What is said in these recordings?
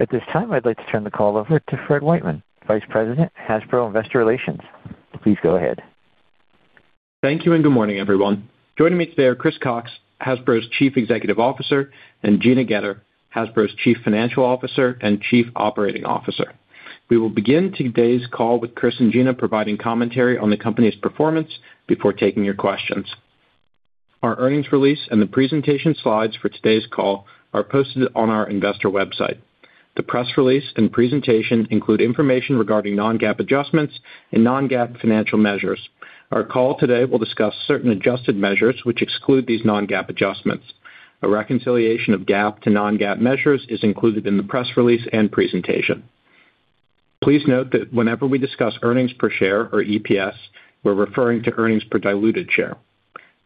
At this time, I'd like to turn the call over to Fred Wightman, Vice President, Hasbro Investor Relations. Please go ahead. Thank you and good morning, everyone. Joining me today are Chris Cocks, Hasbro's Chief Executive Officer, and Gina Goetter, Hasbro's Chief Financial Officer and Chief Operating Officer. We will begin today's call with Chris and Gina providing commentary on the company's performance before taking your questions. Our earnings release and the presentation slides for today's call are posted on our investor website. The press release and presentation include information regarding non-GAAP adjustments and non-GAAP financial measures. Our call today will discuss certain adjusted measures which exclude these non-GAAP adjustments. A reconciliation of GAAP to non-GAAP measures is included in the press release and presentation. Please note that whenever we discuss earnings per share or EPS, we're referring to earnings per diluted share.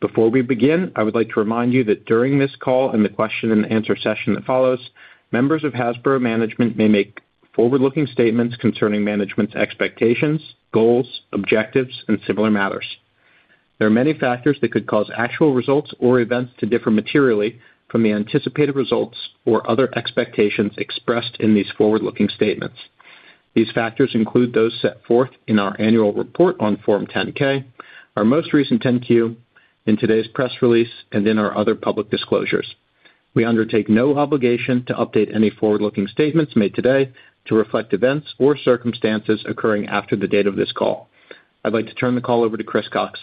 Before we begin, I would like to remind you that during this call and the question-and-answer session that follows, members of Hasbro management may make forward-looking statements concerning management's expectations, goals, objectives, and similar matters. There are many factors that could cause actual results or events to differ materially from the anticipated results or other expectations expressed in these forward-looking statements. These factors include those set forth in our annual report on Form 10-K, our most recent 10-Q, in today's press release, and in our other public disclosures. We undertake no obligation to update any forward-looking statements made today to reflect events or circumstances occurring after the date of this call. I'd like to turn the call over to Chris Cocks.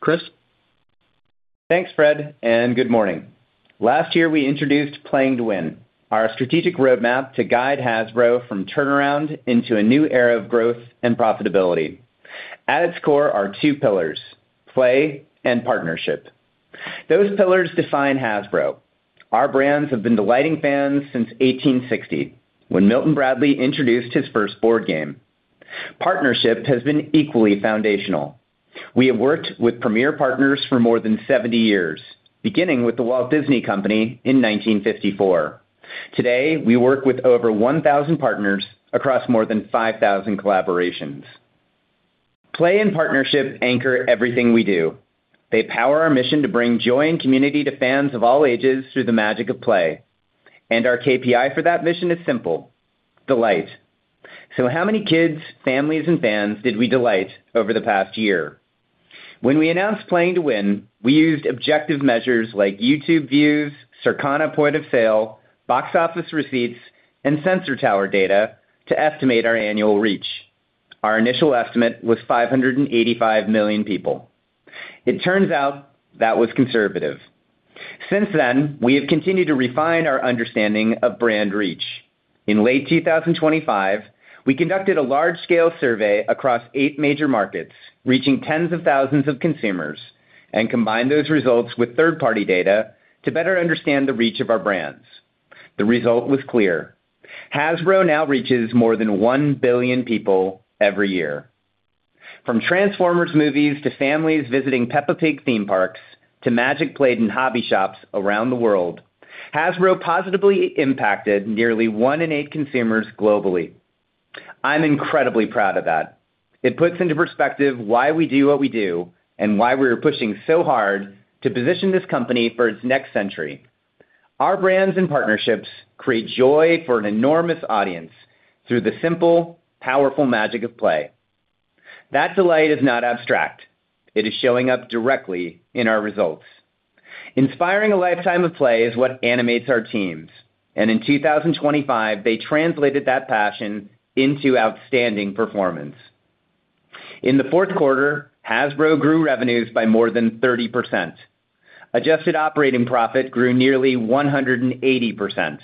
Chris? Thanks, Fred, and good morning. Last year we introduced Playing to Win, our strategic roadmap to guide Hasbro from turnaround into a new era of growth and profitability. At its core are two pillars: play and partnership. Those pillars define Hasbro. Our brands have been delighting fans since 1860, when Milton Bradley introduced his first board game. Partnership has been equally foundational. We have worked with premier partners for more than 70 years, beginning with The Walt Disney Company in 1954. Today we work with over 1,000 partners across more than 5,000 collaborations. Play and partnership anchor everything we do. They power our mission to bring joy and community to fans of all ages through the magic of play. And our KPI for that mission is simple: delight. So how many kids, families, and fans did we delight over the past year? When we announced Playing to Win, we used objective measures like YouTube views, Circana point of sale, box office receipts, and Sensor Tower data to estimate our annual reach. Our initial estimate was 585 million people. It turns out that was conservative. Since then, we have continued to refine our understanding of brand reach. In late 2025, we conducted a large-scale survey across eight major markets reaching tens of thousands of consumers and combined those results with third-party data to better understand the reach of our brands. The result was clear: Hasbro now reaches more than 1 billion people every year. From Transformers movies to families visiting Peppa Pig theme parks, to Magic played in hobby shops around the world, Hasbro positively impacted nearly one in eight consumers globally. I'm incredibly proud of that. It puts into perspective why we do what we do and why we are pushing so hard to position this company for its next century. Our brands and partnerships create joy for an enormous audience through the simple, powerful magic of play. That delight is not abstract. It is showing up directly in our results. Inspiring a lifetime of play is what animates our teams, and in 2025 they translated that passion into outstanding performance. In the fourth quarter, Hasbro grew revenues by more than 30%. Adjusted operating profit grew nearly 180%.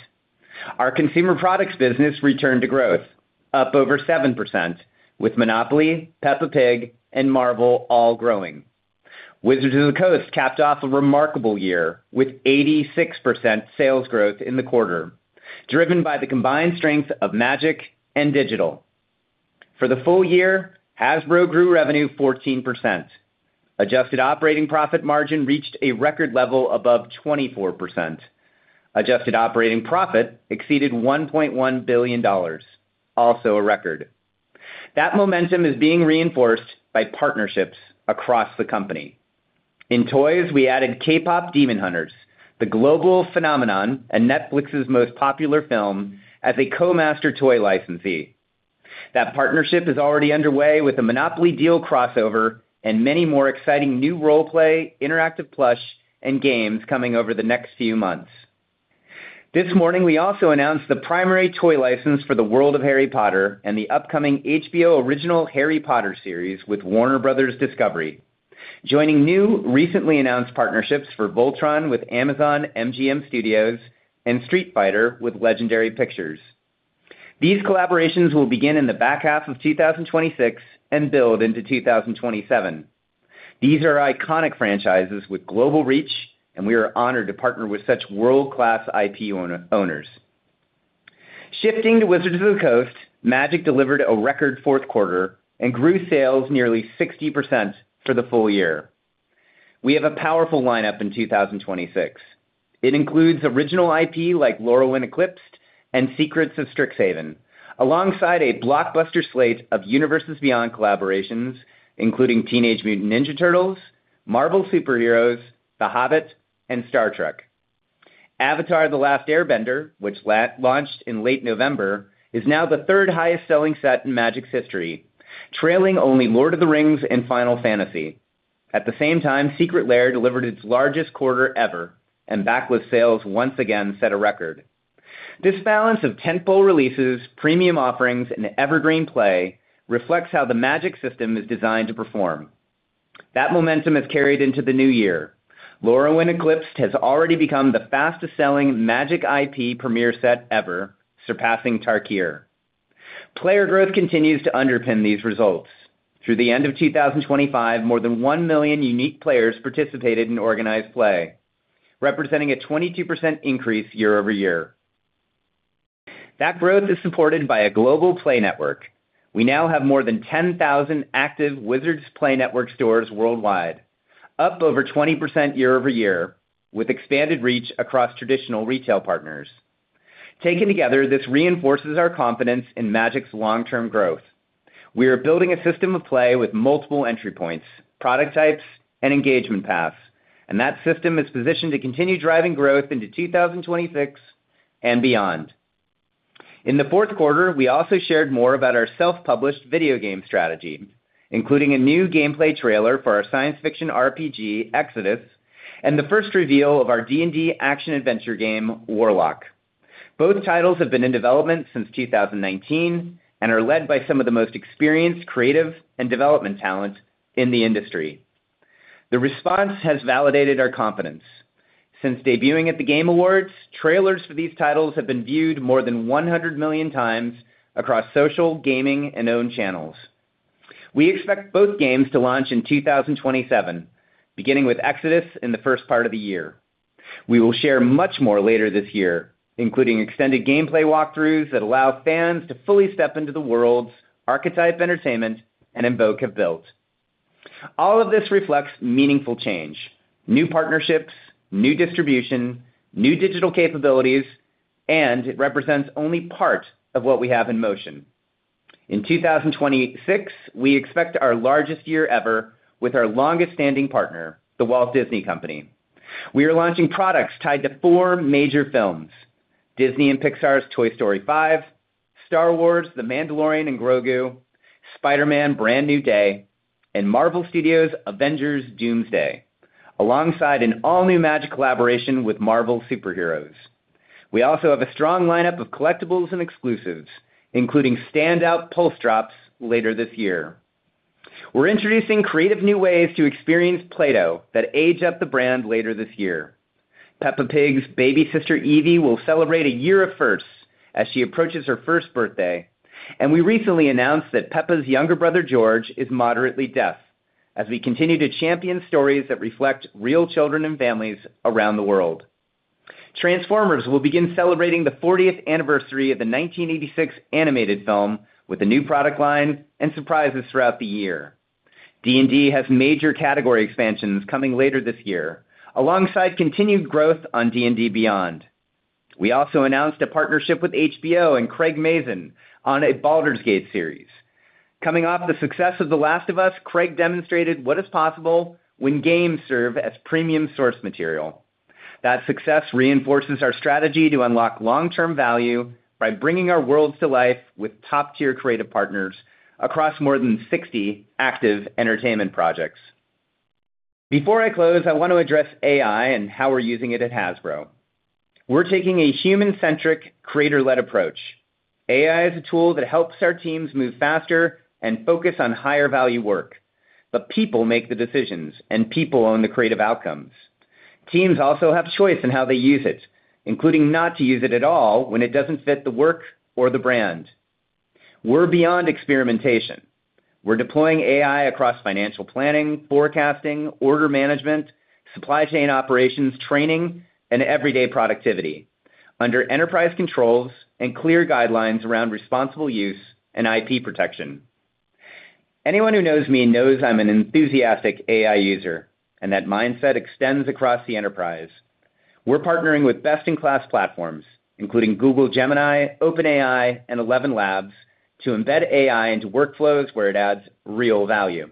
Our consumer products business returned to growth, up over 7%, with Monopoly, Peppa Pig, and Marvel all growing. Wizards of the Coast capped off a remarkable year with 86% sales growth in the quarter, driven by the combined strength of Magic and digital. For the full year, Hasbro grew revenue 14%. Adjusted operating profit margin reached a record level above 24%. Adjusted operating profit exceeded $1.1 billion, also a record. That momentum is being reinforced by partnerships across the company. In toys, we added K-Pop Demon Hunters, the global phenomenon and Netflix's most popular film, as a co-master toy licensee. That partnership is already underway with a Monopoly deal crossover and many more exciting new role-play, interactive plush, and games coming over the next few months. This morning we also announced the primary toy license for The World of Harry Potter and the upcoming HBO original Harry Potter series with Warner Bros. Discovery, joining new, recently announced partnerships for Voltron with Amazon MGM Studios and Street Fighter with Legendary Pictures. These collaborations will begin in the back half of 2026 and build into 2027. These are iconic franchises with global reach, and we are honored to partner with such world-class IP owners. Shifting to Wizards of the Coast, Magic delivered a record fourth quarter and grew sales nearly 60% for the full year. We have a powerful lineup in 2026. It includes original IP like Lorwyn and Strixhaven, alongside a blockbuster slate of Universes Beyond collaborations including Teenage Mutant Ninja Turtles, Marvel Super Heroes, The Hobbit, and Star Trek. Avatar: The Last Airbender, which launched in late November, is now the third-highest-selling set in Magic's history, trailing only The Lord of the Rings and Final Fantasy. At the same time, Secret Lair delivered its largest quarter ever, and backlist sales once again set a record. This balance of tentpole releases, premium offerings, and evergreen play reflects how the Magic system is designed to perform. That momentum has carried into the new year. Lorwyn has already become the fastest-selling Magic IP premiere set ever, surpassing Tarkir. Player growth continues to underpin these results. Through the end of 2025, more than 1 million unique players participated in organized play, representing a 22% increase year-over-year. That growth is supported by a global play network. We now have more than 10,000 active Wizards Play Network stores worldwide, up over 20% YoY, with expanded reach across traditional retail partners. Taken together, this reinforces our confidence in Magic's long-term growth. We are building a system of play with multiple entry points, product types, and engagement paths, and that system is positioned to continue driving growth into 2026 and beyond. In the fourth quarter, we also shared more about our self-published video game strategy, including a new gameplay trailer for our science fiction RPG Exodus and the first reveal of our D&D action-adventure game Warlock. Both titles have been in development since 2019 and are led by some of the most experienced creative and development talent in the industry. The response has validated our confidence. Since debuting at the Game Awards, trailers for these titles have been viewed more than 100 million times across social, gaming, and owned channels. We expect both games to launch in 2027, beginning with Exodus in the first part of the year. We will share much more later this year, including extended gameplay walkthroughs that allow fans to fully step into the worlds Archetype Entertainment and Invoke have built. All of this reflects meaningful change: new partnerships, new distribution, new digital capabilities, and it represents only part of what we have in motion. In 2026, we expect our largest year ever with our longest-standing partner, The Walt Disney Company. We are launching products tied to four major films: Disney and Pixar's Toy Story 5, Star Wars: The Mandalorian and Grogu, Spider-Man: Brand New Day, and Marvel Studios' Avengers: Doomsday, alongside an all-new Magic collaboration with Marvel Super Heroes. We also have a strong lineup of collectibles and exclusives, including standout Pulse drops later this year. We're introducing creative new ways to experience Play-Doh that age up the brand later this year. Peppa Pig's baby sister, Evie, will celebrate a year of firsts as she approaches her first birthday, and we recently announced that Peppa's younger brother, George, is moderately deaf as we continue to champion stories that reflect real children and families around the world. Transformers will begin celebrating the 40th anniversary of the 1986 animated film with a new product line and surprises throughout the year. D&D has major category expansions coming later this year, alongside continued growth on D&D Beyond. We also announced a partnership with HBO and Craig Mazin on a Baldur's Gate series. Coming off the success of The Last of Us, Craig demonstrated what is possible when games serve as premium source material. That success reinforces our strategy to unlock long-term value by bringing our worlds to life with top-tier creative partners across more than 60 active entertainment projects. Before I close, I want to address AI and how we're using it at Hasbro. We're taking a human-centric, creator-led approach. AI is a tool that helps our teams move faster and focus on higher-value work, but people make the decisions, and people own the creative outcomes. Teams also have choice in how they use it, including not to use it at all when it doesn't fit the work or the brand. We're beyond experimentation. We're deploying AI across financial planning, forecasting, order management, supply chain operations training, and everyday productivity under enterprise controls and clear guidelines around responsible use and IP protection. Anyone who knows me knows I'm an enthusiastic AI user and that mindset extends across the enterprise. We're partnering with best-in-class platforms, including Google Gemini, OpenAI, and ElevenLabs, to embed AI into workflows where it adds real value.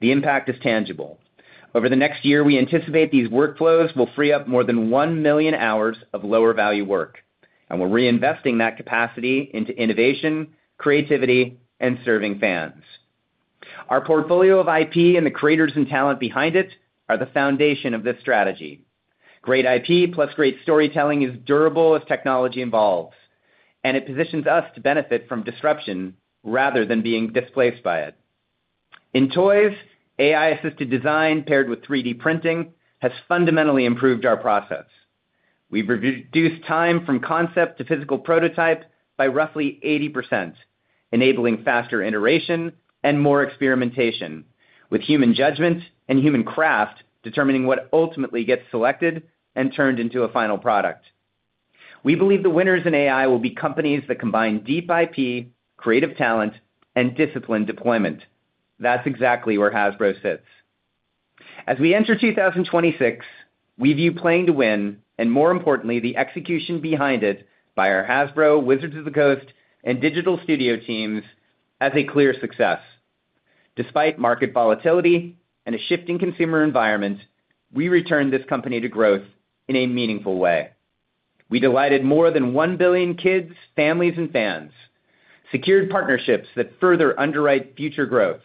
The impact is tangible. Over the next year, we anticipate these workflows will free up more than 1 million hours of lower-value work, and we're reinvesting that capacity into innovation, creativity, and serving fans. Our portfolio of IP and the creators and talent behind it are the foundation of this strategy. Great IP plus great storytelling is durable as technology evolves, and it positions us to benefit from disruption rather than being displaced by it. In toys, AI-assisted design paired with 3D printing has fundamentally improved our process. We've reduced time from concept to physical prototype by roughly 80%, enabling faster iteration and more experimentation, with human judgment and human craft determining what ultimately gets selected and turned into a final product. We believe the winners in AI will be companies that combine deep IP, creative talent, and disciplined deployment. That's exactly where Hasbro sits. As we enter 2026, we view Playing to Win and, more importantly, the execution behind it by our Hasbro, Wizards of the Coast, and digital studio teams as a clear success. Despite market volatility and a shifting consumer environment, we returned this company to growth in a meaningful way. We delighted more than one billion kids, families, and fans, secured partnerships that further underwrite future growth,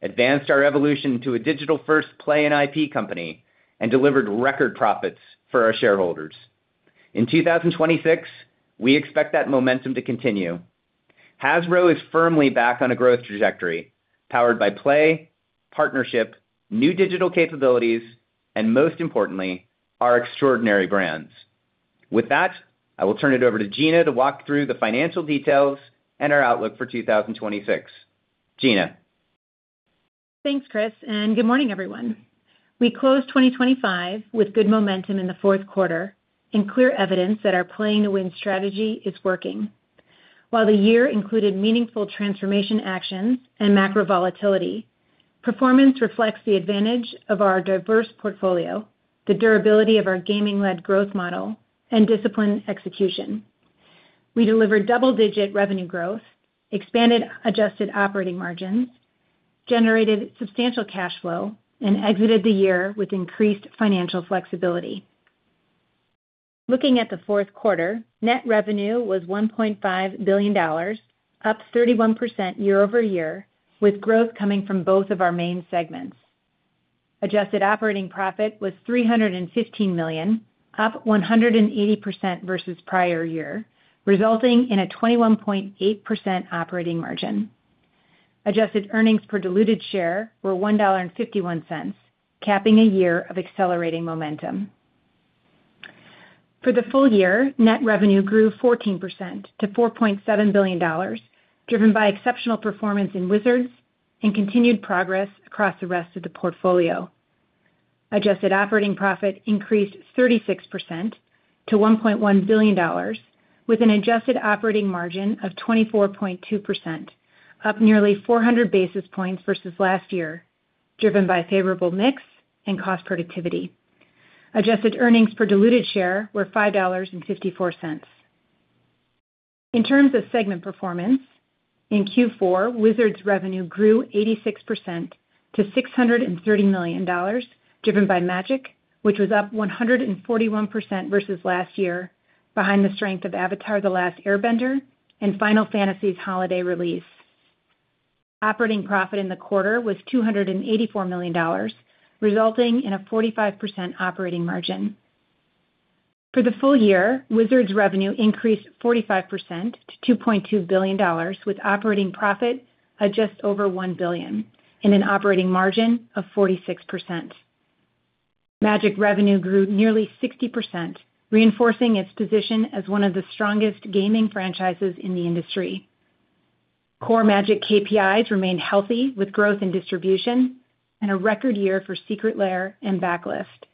advanced our evolution into a digital-first play and IP company, and delivered record profits for our shareholders. In 2026, we expect that momentum to continue. Hasbro is firmly back on a growth trajectory powered by play, partnership, new digital capabilities, and, most importantly, our extraordinary brands. With that, I will turn it over to Gina to walk through the financial details and our outlook for 2026. Gina. Thanks, Chris, and good morning, everyone. We closed 2025 with good momentum in the fourth quarter and clear evidence that our Playing to Win strategy is working. While the year included meaningful transformation actions and macro volatility, performance reflects the advantage of our diverse portfolio, the durability of our gaming-led growth model, and disciplined execution. We delivered double-digit revenue growth, expanded adjusted operating margins, generated substantial cash flow, and exited the year with increased financial flexibility. Looking at the fourth quarter, net revenue was $1.5 billion, up 31% YoY, with growth coming from both of our main segments. Adjusted operating profit was $315 million, up 180% versus prior year, resulting in a 21.8% operating margin. Adjusted earnings per diluted share were $1.51, capping a year of accelerating momentum. For the full year, net revenue grew 14% to $4.7 billion, driven by exceptional performance in Wizards and continued progress across the rest of the portfolio. Adjusted operating profit increased 36% to $1.1 billion, with an adjusted operating margin of 24.2%, up nearly 400 basis points versus last year, driven by favorable mix and cost productivity. Adjusted earnings per diluted share were $5.54. In terms of segment performance, in Q4, Wizards revenue grew 86% to $630 million, driven by Magic, which was up 141% versus last year, behind the strength of Avatar: The Last Airbender and Final Fantasy's holiday release. Operating profit in the quarter was $284 million, resulting in a 45% operating margin. For the full year, Wizards revenue increased 45% to $2.2 billion, with operating profit of just over $1 billion and an operating margin of 46%. Magic revenue grew nearly 60%, reinforcing its position as one of the strongest gaming franchises in the industry. Core Magic KPIs remained healthy, with growth in distribution and a record year for Secret Lair and backlist.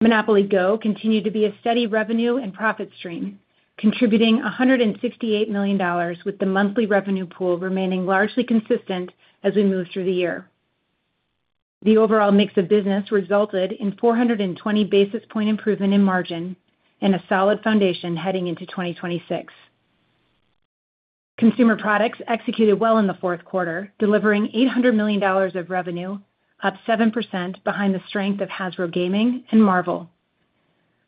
Monopoly Go! continued to be a steady revenue and profit stream, contributing $168 million, with the monthly revenue pool remaining largely consistent as we move through the year. The overall mix of business resulted in 420 basis point improvement in margin and a solid foundation heading into 2026. Consumer products executed well in the fourth quarter, delivering $800 million of revenue, up 7% behind the strength of Hasbro Gaming and Marvel.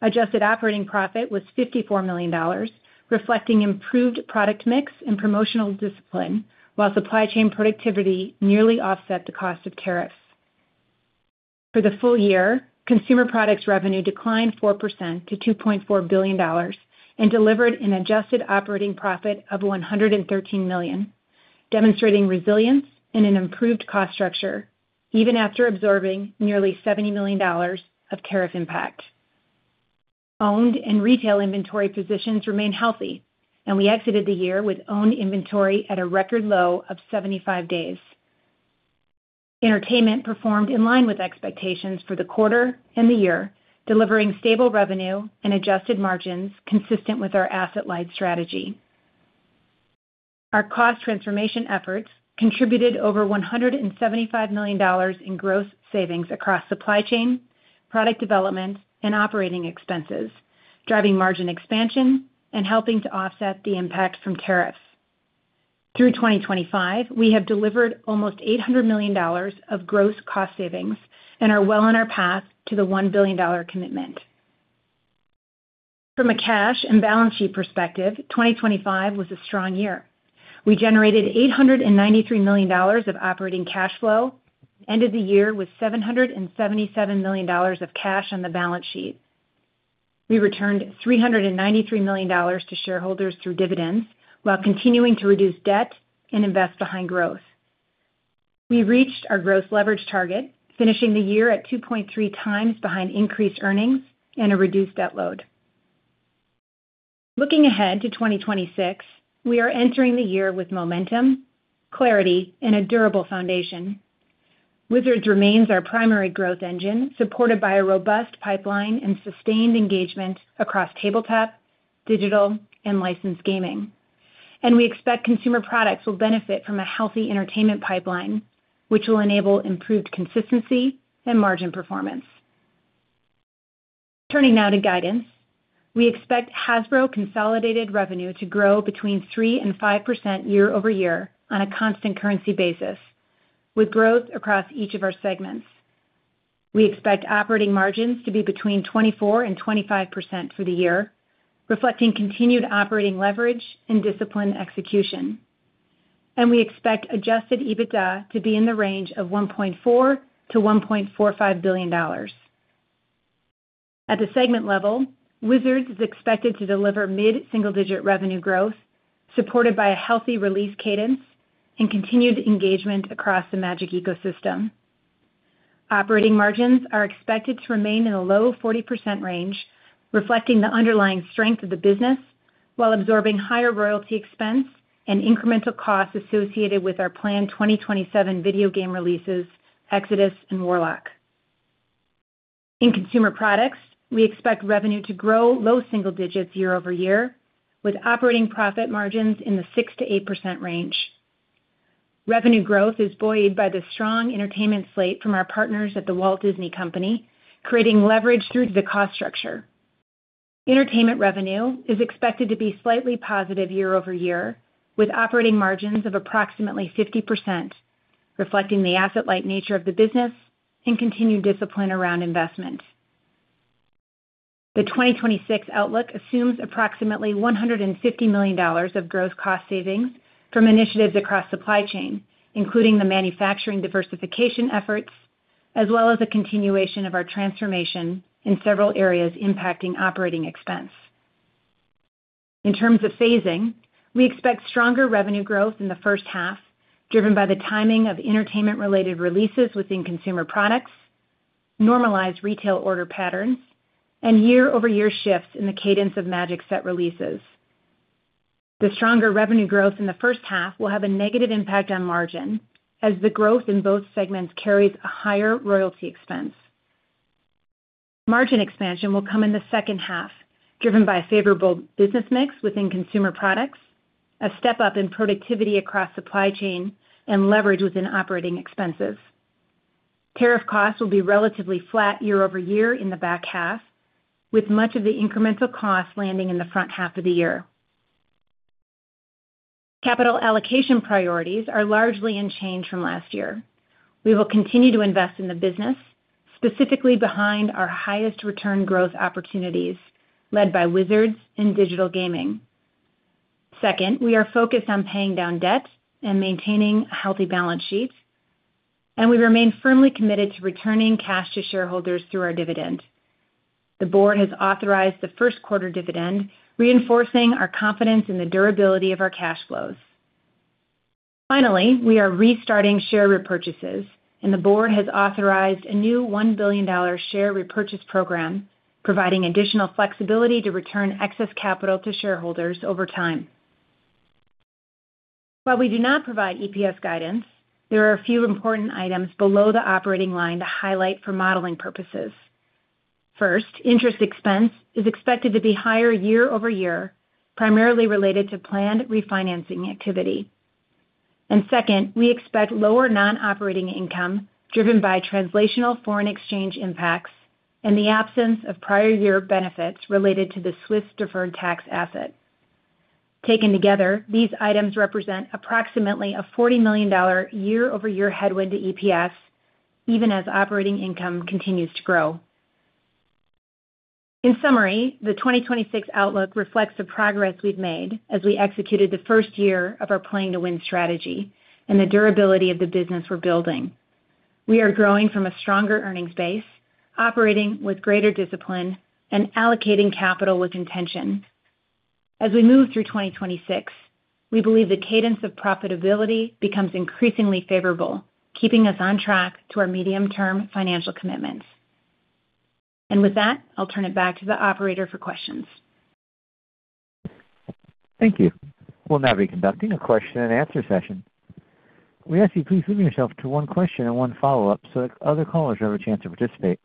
Adjusted operating profit was $54 million, reflecting improved product mix and promotional discipline, while supply chain productivity nearly offset the cost of tariffs. For the full year, consumer products revenue declined 4% to $2.4 billion and delivered an adjusted operating profit of $113 million, demonstrating resilience and an improved cost structure even after absorbing nearly $70 million of tariff impact. Owned and retail inventory positions remained healthy, and we exited the year with owned inventory at a record low of 75 days. Entertainment performed in line with expectations for the quarter and the year, delivering stable revenue and adjusted margins consistent with our asset-led strategy. Our cost transformation efforts contributed over $175 million in gross savings across supply chain, product development, and operating expenses, driving margin expansion and helping to offset the impact from tariffs. Through 2025, we have delivered almost $800 million of gross cost savings and are well on our path to the $1 billion commitment. From a cash and balance sheet perspective, 2025 was a strong year. We generated $893 million of operating cash flow, ended the year with $777 million of cash on the balance sheet. We returned $393 million to shareholders through dividends while continuing to reduce debt and invest behind growth. We reached our gross leverage target, finishing the year at 2.3x behind increased earnings and a reduced debt load. Looking ahead to 2026, we are entering the year with momentum, clarity, and a durable foundation. Wizards remains our primary growth engine, supported by a robust pipeline and sustained engagement across tabletop, digital, and licensed gaming. And we expect consumer products will benefit from a healthy entertainment pipeline, which will enable improved consistency and margin performance. Turning now to guidance, we expect Hasbro consolidated revenue to grow between 3% and 5% YoY on a constant currency basis, with growth across each of our segments. We expect operating margins to be between 24%-25% for the year, reflecting continued operating leverage and disciplined execution. We expect adjusted EBITDA to be in the range of $1.4 billion-$1.45 billion. At the segment level, Wizards is expected to deliver mid-single-digit revenue growth, supported by a healthy release cadence and continued engagement across the Magic ecosystem. Operating margins are expected to remain in the low 40% range, reflecting the underlying strength of the business while absorbing higher royalty expense and incremental costs associated with our planned 2027 video game releases, Exodus, and Warlock. In consumer products, we expect revenue to grow low single digits year-over-year, with operating profit margins in the 6%-8% range. Revenue growth is buoyed by the strong entertainment slate from our partners at The Walt Disney Company, creating leverage through the cost structure. Entertainment revenue is expected to be slightly positive year-over-year, with operating margins of approximately 50%, reflecting the asset-led nature of the business and continued discipline around investment. The 2026 outlook assumes approximately $150 million of gross cost savings from initiatives across supply chain, including the manufacturing diversification efforts, as well as a continuation of our transformation in several areas impacting operating expense. In terms of phasing, we expect stronger revenue growth in the first half, driven by the timing of entertainment-related releases within consumer products, normalized retail order patterns, and year-over-year shifts in the cadence of Magic set releases. The stronger revenue growth in the first half will have a negative impact on margin, as the growth in both segments carries a higher royalty expense. Margin expansion will come in the second half, driven by a favorable business mix within consumer products, a step up in productivity across supply chain, and leverage within operating expenses. Tariff costs will be relatively flat year-over-year in the back half, with much of the incremental costs landing in the front half of the year. Capital allocation priorities are largely unchanged from last year. We will continue to invest in the business, specifically behind our highest return growth opportunities led by Wizards and digital gaming. Second, we are focused on paying down debt and maintaining a healthy balance sheet, and we remain firmly committed to returning cash to shareholders through our dividend. The board has authorized the first quarter dividend, reinforcing our confidence in the durability of our cash flows. Finally, we are restarting share repurchases, and the board has authorized a new $1 billion share repurchase program, providing additional flexibility to return excess capital to shareholders over time. While we do not provide EPS guidance, there are a few important items below the operating line to highlight for modeling purposes. First, interest expense is expected to be higher year-over-year, primarily related to planned refinancing activity. And second, we expect lower non-operating income driven by translational foreign exchange impacts and the absence of prior year benefits related to the Swiss deferred tax asset. Taken together, these items represent approximately a $40 million year-over-year headwind to EPS, even as operating income continues to grow. In summary, the 2026 outlook reflects the progress we've made as we executed the first year of our Playing to Win strategy and the durability of the business we're building. We are growing from a stronger earnings base, operating with greater discipline, and allocating capital with intention. As we move through 2026, we believe the cadence of profitability becomes increasingly favorable, keeping us on track to our medium-term financial commitments. With that, I'll turn it back to the operator for questions. Thank you. We'll now be conducting a question-and-answer session. We ask you to please limit yourself to one question and one follow-up so that other callers have a chance to participate.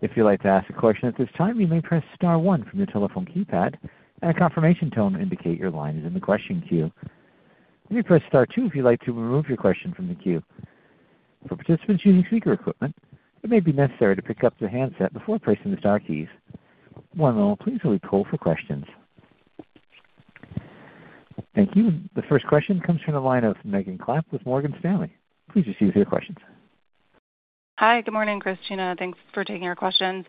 If you'd like to ask a question at this time, you may press star one from your telephone keypad, and a confirmation tone will indicate your line is in the question queue. You may press star two if you'd like to remove your question from the queue. For participants using speaker equipment, it may be necessary to pick up the handset before pressing the star keys. Please hold while we poll for questions. Thank you. The first question comes from the line of Megan Alexander with Morgan Stanley. Please go ahead with your question. Hi. Good morning, Chris, Gina. Thanks for taking our questions.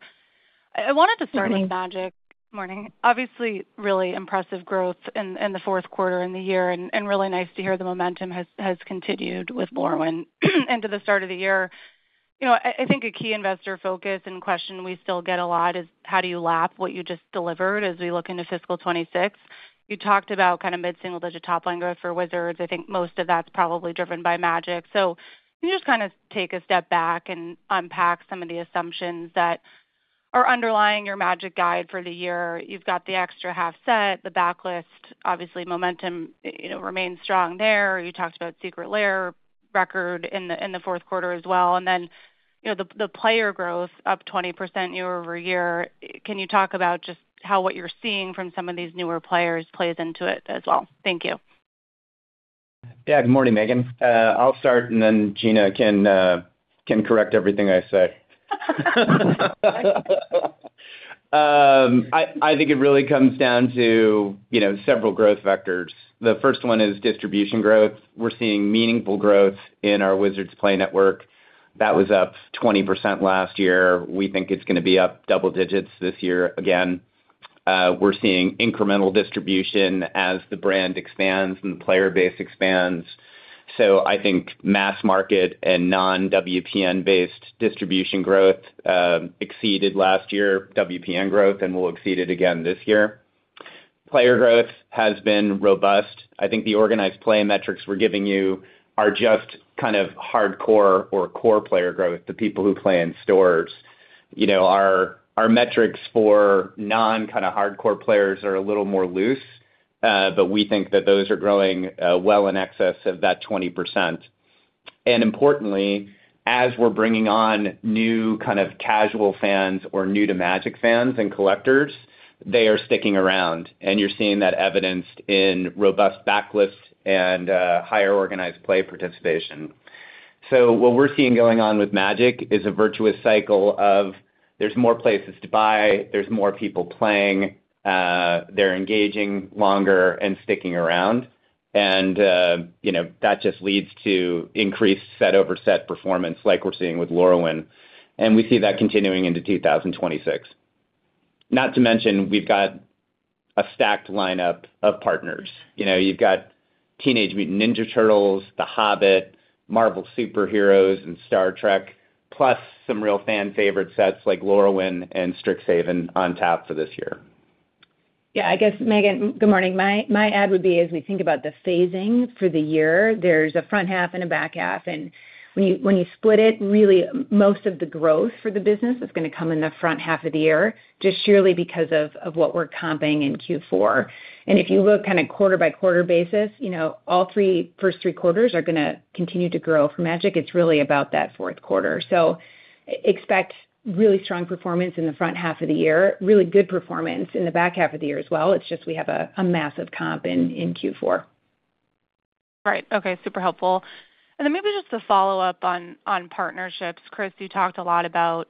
I wanted to start with Magic. Morning. Obviously, really impressive growth in the fourth quarter and the year, and really nice to hear the momentum has continued with Lorwyn into the start of the year. I think a key investor focus and question we still get a lot is, "How do you lap what you just delivered as we look into fiscal 2026?" You talked about kind of mid-single-digit top-line growth for Wizards. I think most of that's probably driven by Magic. So can you just kind of take a step back and unpack some of the assumptions that are underlying your Magic guide for the year? You've got the extra half set, the backlist. Obviously, momentum remains strong there. You talked about Secret Lair record in the fourth quarter as well. And then the player growth up 20% YoY. Can you talk about just how what you're seeing from some of these newer players plays into it as well? Thank you. Yeah. Good morning, Megan. I'll start, and then Gina can correct everything I say. I think it really comes down to several growth vectors. The first one is distribution growth. We're seeing meaningful growth in our Wizards Play Network. That was up 20% last year. We think it's going to be up double digits this year again. We're seeing incremental distribution as the brand expands and the player base expands. So I think mass market and non-WPN-based distribution growth exceeded last year WPN growth and will exceed it again this year. Player growth has been robust. I think the organized play metrics we're giving you are just kind of hardcore or core player growth, the people who play in stores. Our metrics for non-kind of hardcore players are a little more loose, but we think that those are growing well in excess of that 20%. Importantly, as we're bringing on new kind of casual fans or new-to-Magic fans and collectors, they are sticking around, and you're seeing that evidenced in robust backlist and higher organized play participation. So what we're seeing going on with Magic is a virtuous cycle of there's more places to buy, there's more people playing, they're engaging longer and sticking around. And that just leads to increased set-over-set performance like we're seeing with Lorwyn, and we see that continuing into 2026. Not to mention, we've got a stacked lineup of partners. You've got Teenage Mutant Ninja Turtles, The Hobbit, Marvel Super Heroes, and Star Trek, plus some real fan-favorite sets like Lorwyn and Strixhaven on tap for this year. Yeah. I guess, Megan, good morning. My add would be as we think about the phasing for the year, there's a front half and a back half. When you split it, really, most of the growth for the business is going to come in the front half of the year, just purely because of what we're comping in Q4. If you look kind of quarter-by-quarter basis, all three first three quarters are going to continue to grow for Magic. It's really about that fourth quarter. Expect really strong performance in the front half of the year, really good performance in the back half of the year as well. It's just we have a massive comp in Q4. Right. Okay. Super helpful. And then maybe just a follow-up on partnerships. Chris, you talked a lot about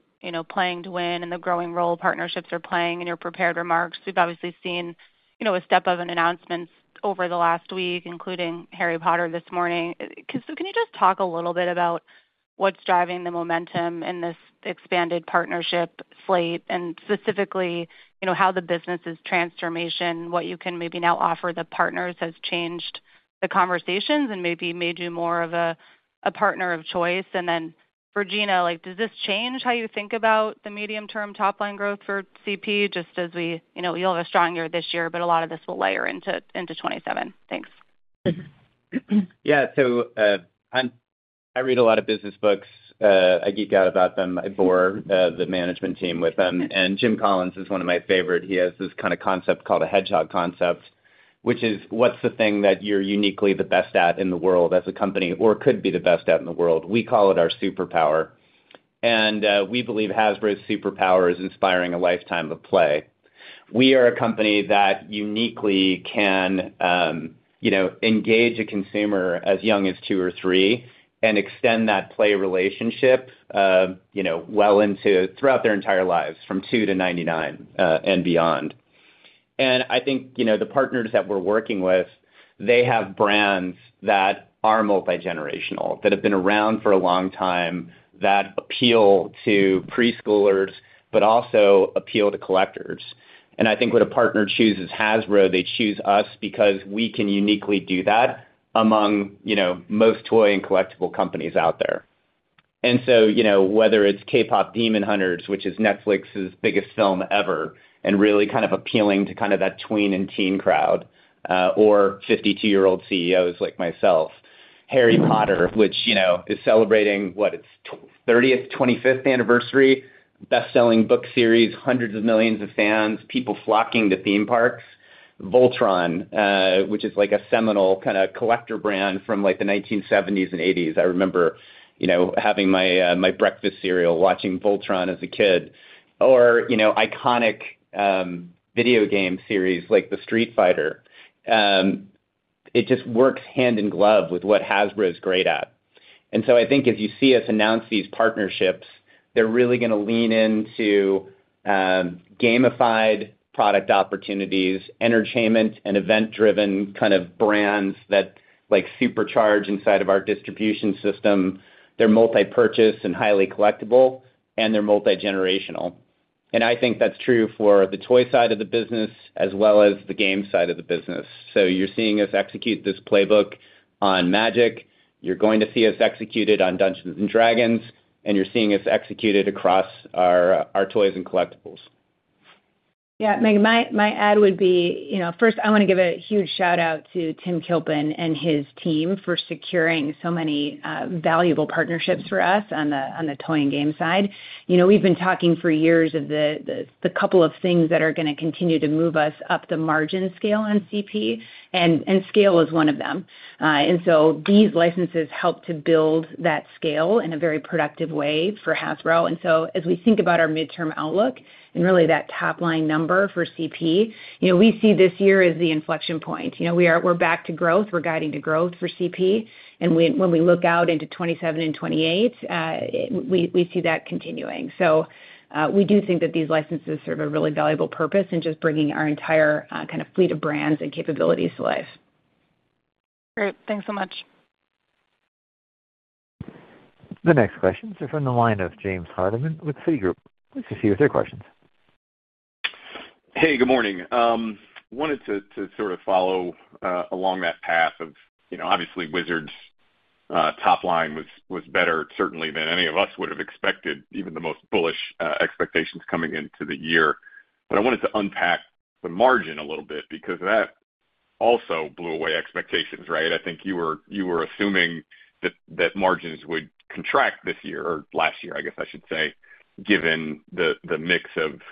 Playing to Win and the growing role partnerships are playing in your prepared remarks. We've obviously seen a step up in announcements over the last week, including Harry Potter this morning. So can you just talk a little bit about what's driving the momentum in this expanded partnership slate and specifically how the business's transformation, what you can maybe now offer the partners, has changed the conversations and maybe made you more of a partner of choice? And then for Gina, does this change how you think about the medium-term top-line growth for CP just as we'll have a strong year this year, but a lot of this will layer into 2027? Thanks. Yeah. I read a lot of business books. I geek out about them. I bore the management team with them. Jim Collins is one of my favorites. He has this kind of concept called a hedgehog concept, which is what's the thing that you're uniquely the best at in the world as a company or could be the best at in the world? We call it our superpower. We believe Hasbro's superpower is inspiring a lifetime of play. We are a company that uniquely can engage a consumer as young as two or three and extend that play relationship well into throughout their entire lives, from 2 to 99 and beyond. I think the partners that we're working with, they have brands that are multi-generational, that have been around for a long time, that appeal to preschoolers, but also appeal to collectors. I think when a partner chooses Hasbro, they choose us because we can uniquely do that among most toy and collectible companies out there. So whether it's K-Pop Demon Hunters, which is Netflix's biggest film ever and really kind of appealing to kind of that tween and teen crowd, or 52-year-old CEOs like myself, Harry Potter, which is celebrating what, its 30th, 25th anniversary, bestselling book series, hundreds of millions of fans, people flocking to theme parks, Voltron, which is like a seminal kind of collector brand from the 1970s and '80s. I remember having my breakfast cereal watching Voltron as a kid, or iconic video game series like Street Fighter. It just works hand in glove with what Hasbro is great at. And so I think as you see us announce these partnerships, they're really going to lean into gamified product opportunities, entertainment, and event-driven kind of brands that supercharge inside of our distribution system. They're multi-purchase and highly collectible, and they're multi-generational. And I think that's true for the toy side of the business as well as the game side of the business. So you're seeing us execute this playbook on Magic. You're going to see us execute it on Dungeons & Dragons, and you're seeing us execute it across our toys and collectibles. Yeah. Megan, my add would be first, I want to give a huge shout-out to Tim Kilpin and his team for securing so many valuable partnerships for us on the toy and game side. We've been talking for years of the couple of things that are going to continue to move us up the margin scale on CP, and scale is one of them. So these licenses help to build that scale in a very productive way for Hasbro. So as we think about our midterm outlook and really that top-line number for CP, we see this year as the inflection point. We're back to growth. We're guiding to growth for CP. When we look out into 2027 and 2028, we see that continuing. We do think that these licenses serve a really valuable purpose in just bringing our entire kind of fleet of brands and capabilities to life. Great. Thanks so much. The next questions are from the line of James Hardiman with Citigroup. Please proceed with your question. Hey. Good morning. Wanted to sort of follow along that path of obviously, Wizards' top-line was better, certainly, than any of us would have expected, even the most bullish expectations coming into the year. But I wanted to unpack the margin a little bit because that also blew away expectations, right? I think you were assuming that margins would contract this year or last year, I guess I should say, given the mix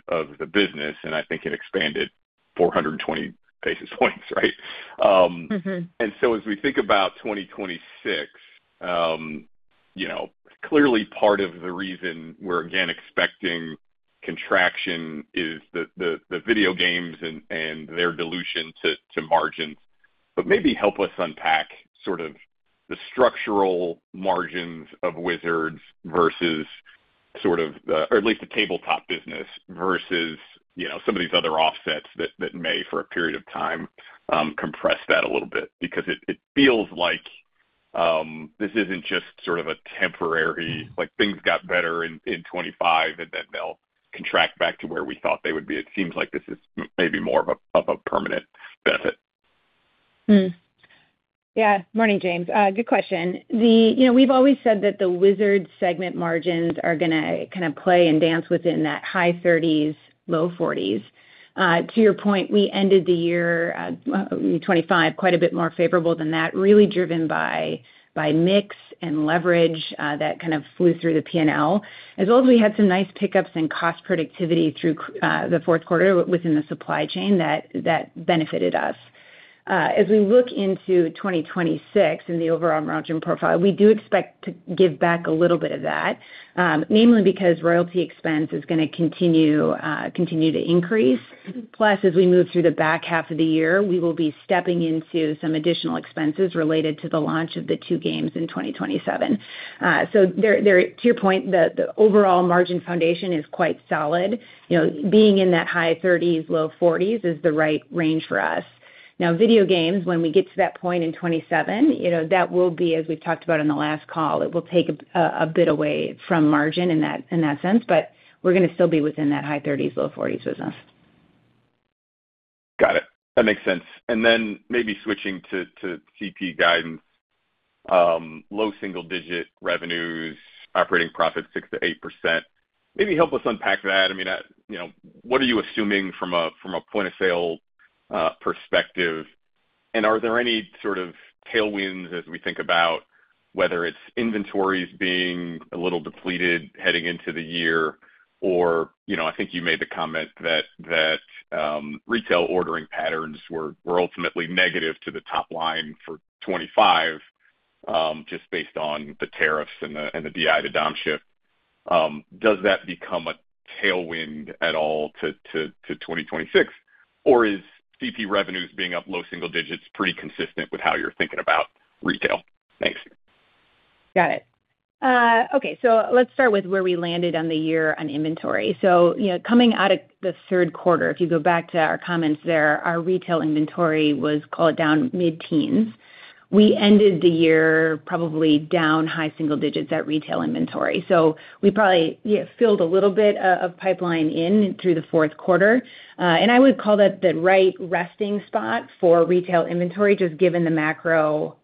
of the business. And I think it expanded 420 basis points, right? And so as we think about 2026, clearly, part of the reason we're, again, expecting contraction is the video games and their dilution to margins. But maybe help us unpack sort of the structural margins of Wizards versus sort of the or at least the tabletop business versus some of these other offsets that may, for a period of time, compress that a little bit because it feels like this isn't just sort of a temporary things got better in 2025 and then they'll contract back to where we thought they would be. It seems like this is maybe more of a permanent benefit. Yeah. Morning, James. Good question. We've always said that the Wizards segment margins are going to kind of play and dance within that high 30s%-low 40s%. To your point, we ended the year 2025 quite a bit more favorable than that, really driven by mix and leverage that kind of flew through the P&L, as well as we had some nice pickups in cost productivity through the fourth quarter within the supply chain that benefited us. As we look into 2026 and the overall margin profile, we do expect to give back a little bit of that, namely because royalty expense is going to continue to increase. Plus, as we move through the back half of the year, we will be stepping into some additional expenses related to the launch of the 2 games in 2027. So to your point, the overall margin foundation is quite solid. Being in that high 30s, low 40s is the right range for us. Now, video games, when we get to that point in 2027, that will be, as we've talked about in the last call, it will take a bit away from margin in that sense, but we're going to still be within that high 30s, low 40s business. Got it. That makes sense. Then maybe switching to CP guidance, low single-digit revenues, operating profit 6%-8%. Maybe help us unpack that. I mean, what are you assuming from a point-of-sale perspective? And are there any sort of tailwinds as we think about whether it's inventories being a little depleted heading into the year? Or I think you made the comment that retail ordering patterns were ultimately negative to the top-line for 2025 just based on the tariffs and the DI to DOM shift. Does that become a tailwind at all to 2026, or is CP revenues being up low single digits pretty consistent with how you're thinking about retail? Thanks. Got it. Okay. So let's start with where we landed on the year on inventory. So coming out of the third quarter, if you go back to our comments there, our retail inventory was, call it down, mid-teens. We ended the year probably down high single digits at retail inventory. So we probably filled a little bit of pipeline in through the fourth quarter. I would call that the right resting spot for retail inventory just given the macro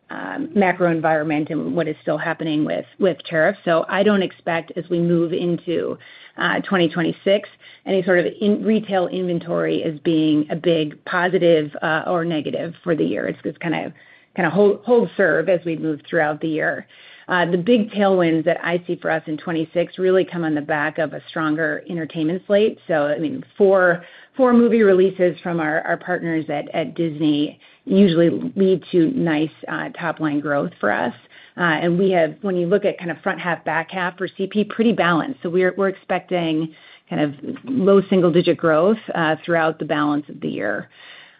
environment and what is still happening with tariffs. So I don't expect, as we move into 2026, any sort of retail inventory as being a big positive or negative for the year. It's going to kind of hold serve as we move throughout the year. The big tailwinds that I see for us in 2026 really come on the back of a stronger entertainment slate. So I mean, 4 movie releases from our partners at Disney usually lead to nice top-line growth for us. And when you look at kind of front half, back half for CP, pretty balanced. So we're expecting kind of low single-digit growth throughout the balance of the year.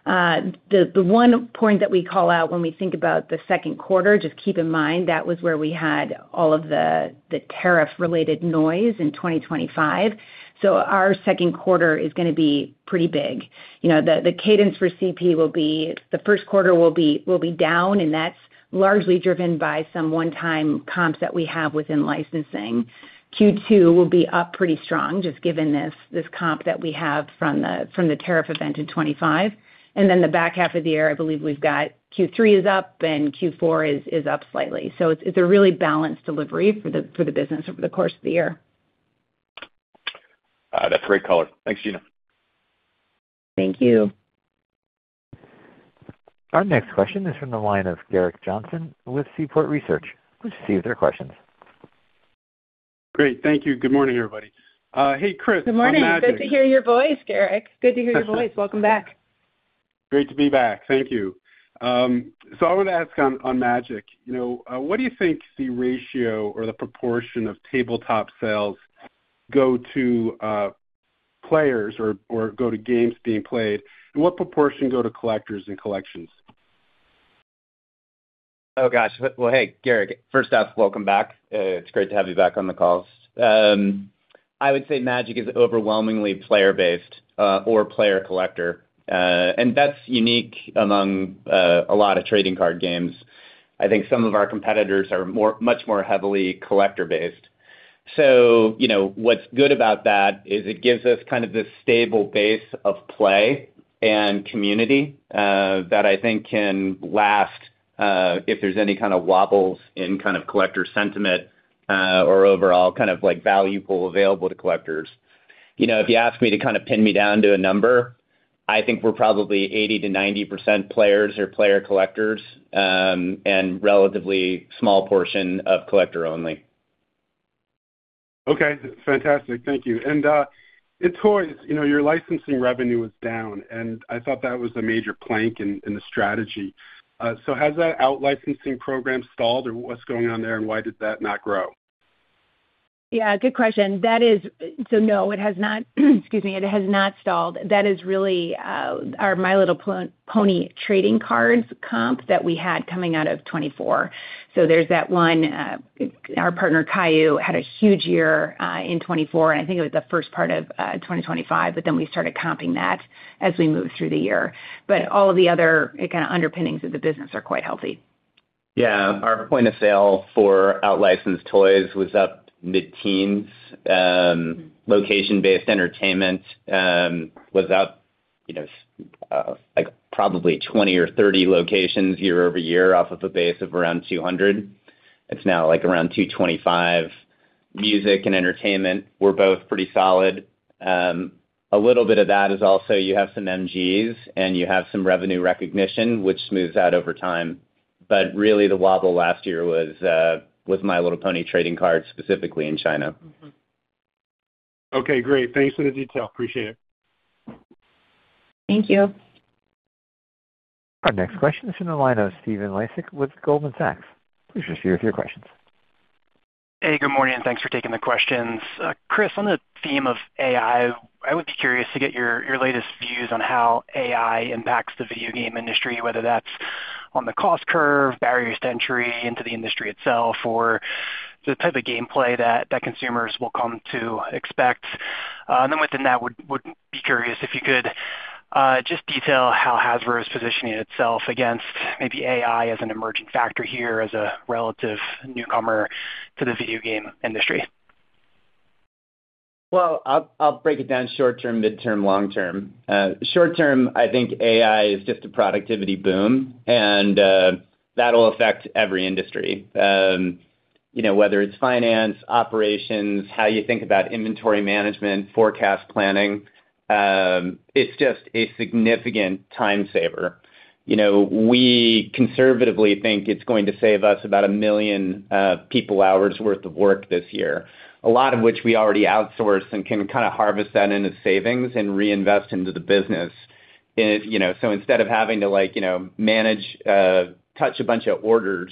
The one point that we call out when we think about the second quarter, just keep in mind that was where we had all of the tariff-related noise in 2025. So our second quarter is going to be pretty big. The cadence for CP will be the first quarter will be down, and that's largely driven by some one-time comps that we have within licensing. Q2 will be up pretty strong just given this comp that we have from the tariff event in 2025. The back half of the year, I believe we've got Q3 is up and Q4 is up slightly. It's a really balanced delivery for the business over the course of the year. That's great color. Thanks, Gina. Thank you. Our next question is from the line of Gerrick Johnson with Seaport Research. Let's see if there are questions. Great. Thank you. Good morning, everybody. Hey, Chris. Good morning. On Magic. Good to hear your voice, Gerrick. Good to hear your voice. Welcome back. Great to be back. Thank you. So I want to ask on Magic, what do you think the ratio or the proportion of tabletop sales go to players or go to games being played? And what proportion go to collectors and collections? Oh, gosh. Well, hey, Gerrick, first off, welcome back. It's great to have you back on the calls. I would say Magic is overwhelmingly player-based or player-collector. That's unique among a lot of trading card games. I think some of our competitors are much more heavily collector-based. What's good about that is it gives us kind of this stable base of play and community that I think can last if there's any kind of wobbles in kind of collector sentiment or overall kind of value pool available to collectors. If you ask me to kind of pin me down to a number, I think we're probably 80%-90% players or player-collectors and a relatively small portion of collector-only. Okay. Fantastic. Thank you. And in toys, your licensing revenue is down, and I thought that was a major plank in the strategy. So has that out-licensing program stalled, or what's going on there, and why did that not grow? Yeah. Good question. So no, it has not, excuse me. It has not stalled. That is really our My Little Pony trading cards comp that we had coming out of 2024. So there's that one. Our partner, Kayou, had a huge year in 2024, and I think it was the first part of 2025, but then we started comping that as we moved through the year. But all of the other kind of underpinnings of the business are quite healthy. Yeah. Our point-of-sale for out-licensed toys was up mid-teens. Location-based entertainment was up probably 20 or 30 locations year-over-year off of a base of around 200. It's now around 225. Music and entertainment were both pretty solid. A little bit of that is also you have some MGs, and you have some revenue recognition, which smooths out over time. But really, the wobble last year was My Little Pony trading cards specifically in China. Okay. Great. Thanks for the detail. Appreciate it. Thank you. Our next question is from the line of Stephen Laszczyk with Goldman Sachs. Please just share with your questions. Hey. Good morning. Thanks for taking the questions. Chris, on the theme of AI, I would be curious to get your latest views on how AI impacts the video game industry, whether that's on the cost curve, barriers to entry into the industry itself, or the type of gameplay that consumers will come to expect. Then within that, would be curious if you could just detail how Hasbro is positioning itself against maybe AI as an emerging factor here as a relative newcomer to the video game industry. Well, I'll break it down short-term, mid-term, long-term. Short-term, I think AI is just a productivity boom, and that will affect every industry, whether it's finance, operations, how you think about inventory management, forecast planning. It's just a significant time saver. We conservatively think it's going to save us about 1 million people-hours' worth of work this year, a lot of which we already outsource and can kind of harvest that into savings and reinvest into the business. So instead of having to manage, touch a bunch of orders,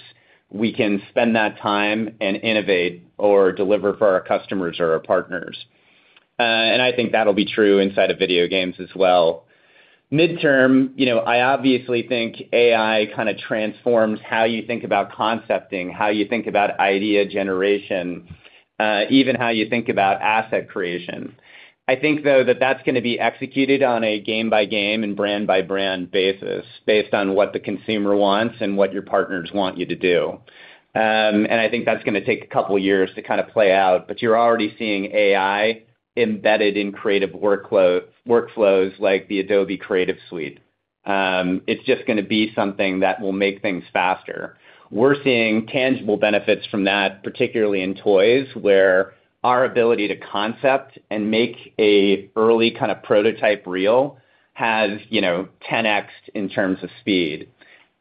we can spend that time and innovate or deliver for our customers or our partners. And I think that'll be true inside of video games as well. Mid-term, I obviously think AI kind of transforms how you think about concepting, how you think about idea generation, even how you think about asset creation. I think, though, that that's going to be executed on a game-by-game and brand-by-brand basis based on what the consumer wants and what your partners want you to do. And I think that's going to take a couple of years to kind of play out. But you're already seeing AI embedded in creative workflows like the Adobe Creative Suite. It's just going to be something that will make things faster. We're seeing tangible benefits from that, particularly in toys, where our ability to concept and make an early kind of prototype real has 10x in terms of speed.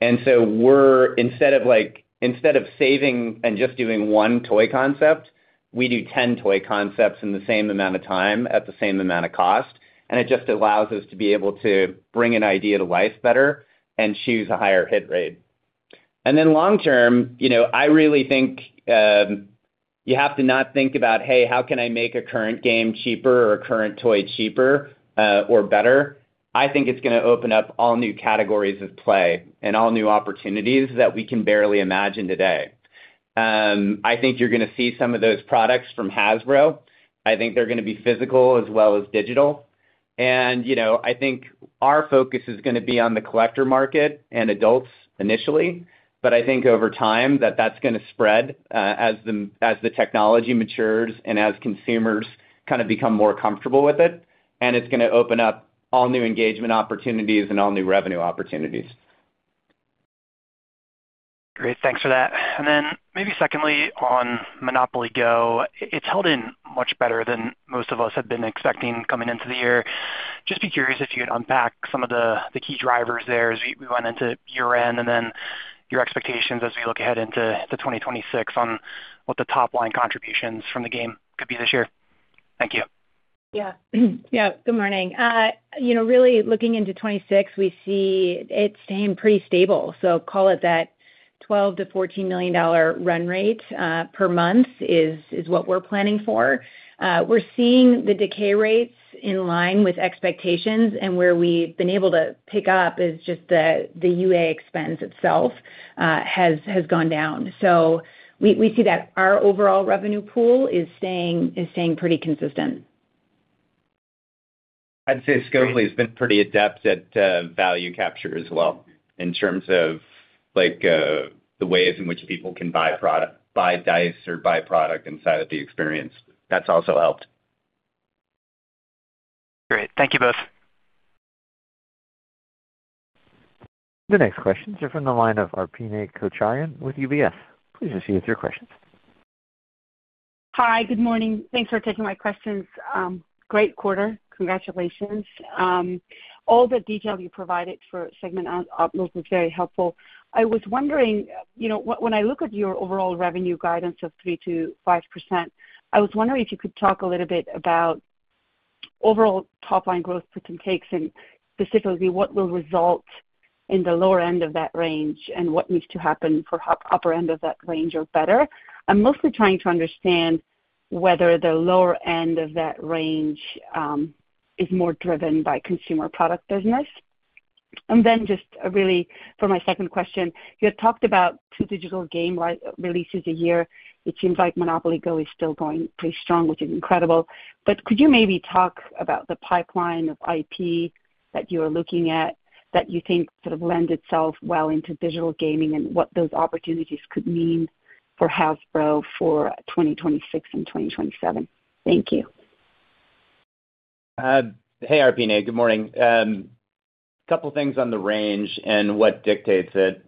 And so instead of saving and just doing one toy concept, we do 10 toy concepts in the same amount of time at the same amount of cost. And it just allows us to be able to bring an idea to life better and choose a higher hit rate. And then long-term, I really think you have to not think about, "Hey, how can I make a current game cheaper or a current toy cheaper or better?" I think it's going to open up all new categories of play and all new opportunities that we can barely imagine today. I think you're going to see some of those products from Hasbro. I think they're going to be physical as well as digital. And I think our focus is going to be on the collector market and adults initially. But I think over time that that's going to spread as the technology matures and as consumers kind of become more comfortable with it. And it's going to open up all new engagement opportunities and all new revenue opportunities. Great. Thanks for that. And then maybe secondly, on Monopoly Go!, it's held in much better than most of us had been expecting coming into the year. Just be curious if you could unpack some of the key drivers there as we went into year-end and then your expectations as we look ahead into 2026 on what the top-line contributions from the game could be this year? Thank you. Yeah. Yeah. Good morning. Really looking into 2026, we see it staying pretty stable. So call it that $12 million-$14 million run rate per month is what we're planning for. We're seeing the decay rates in line with expectations, and where we've been able to pick up is just the UA expense itself has gone down. So we see that our overall revenue pool is staying pretty consistent. I'd say Scopely has been pretty adept at value capture as well in terms of the ways in which people can buy dice or buy product inside of the experience. That's also helped. Great. Thank you both. The next questions a36:28:00re from the line of Arpine Kocharyan with UBS. Please just share with your questions. Hi. Good morning. Thanks for taking my questions. Great quarter. Congratulations. All the detail you provided for segment outlook was very helpful. I was wondering, when I look at your overall revenue guidance of 3%-5%, I was wondering if you could talk a little bit about overall top-line growth, put some takes, and specifically what will result in the lower end of that range and what needs to happen for upper end of that range or better. I'm mostly trying to understand whether the lower end of that range is more driven by consumer product business. And then just really for my second question, you had talked about 2 digital game releases a year. It seems like Monopoly Go! is still going pretty strong, which is incredible. Could you maybe talk about the pipeline of IP that you are looking at that you think sort of lends itself well into digital gaming and what those opportunities could mean for Hasbro for 2026 and 2027? Thank you. Hey, Arpine. Good morning. A couple of things on the range and what dictates it.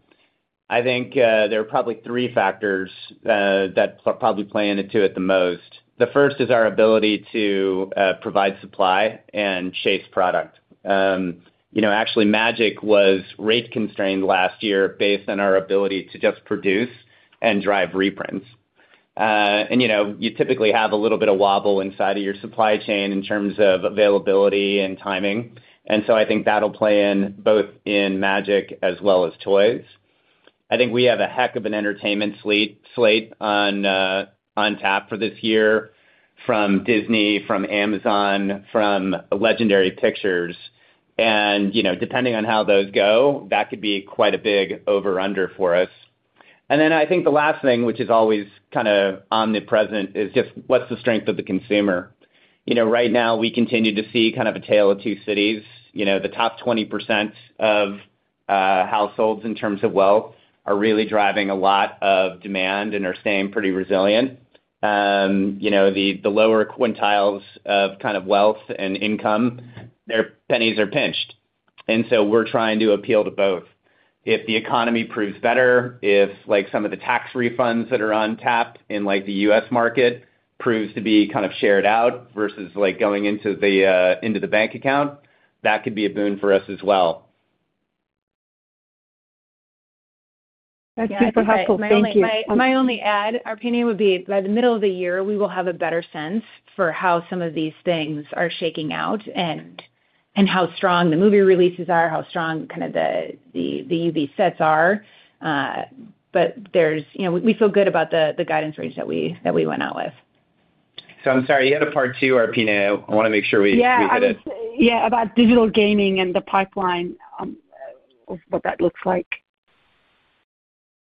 I think there are probably three factors that probably play into it the most. The first is our ability to provide supply and chase product. Actually, Magic was rate-constrained last year based on our ability to just produce and drive reprints. You typically have a little bit of wobble inside of your supply chain in terms of availability and timing. So I think that'll play in both in Magic as well as toys. I think we have a heck of an entertainment slate on tap for this year from Disney, from Amazon, from Legendary Pictures. And depending on how those go, that could be quite a big over/under for us. Then I think the last thing, which is always kind of omnipresent, is just what's the strength of the consumer? Right now, we continue to see kind of a tale of two cities. The top 20% of households in terms of wealth are really driving a lot of demand and are staying pretty resilient. The lower quintiles of kind of wealth and income, their pennies are pinched. And so we're trying to appeal to both. If the economy proves better, if some of the tax refunds that are on tap in the U.S. market proves to be kind of shared out versus going into the bank account, that could be a boon for us as well. That's super helpful. Thank you. I only add, Arpine, by the middle of the year, we will have a better sense for how some of these things are shaking out and how strong the movie releases are, how strong kind of the UB sets are. But we feel good about the guidance range that we went out with. I'm sorry. You had a part two, Arpine. I want to make sure we hit it. Yeah. About digital gaming and the pipeline of what that looks like.